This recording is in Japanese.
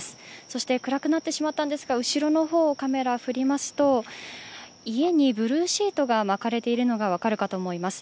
そして、暗くなってしまったんですが、後ろに方にカメラを振りますと家にブルーシートが巻かれているのが分かるかと思います。